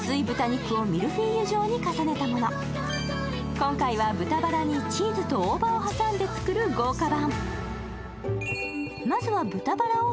今回は豚バラにチーズと大葉を挟んで作る豪華版。